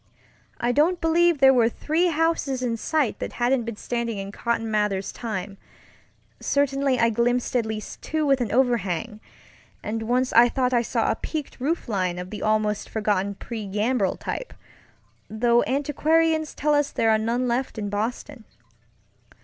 I don't believe there were three houses in sight that hadn't been standing in Cotton Mather's timeŌĆöcertainly I glimpsed at least two with an overhang, and once I thought I saw a peaked roof line of the almost forgotten pre gambrel type, though antiquarians tell us there are none left in Boston.